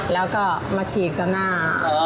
แล้วก็มาฉีกต่อหน้า